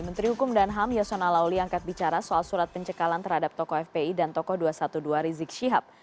menteri hukum dan ham yasona lauli angkat bicara soal surat pencekalan terhadap tokoh fpi dan tokoh dua ratus dua belas rizik syihab